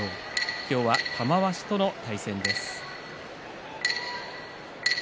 今日は玉鷲との対戦です。